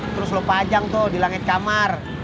terus lo pajang tuh di langit kamar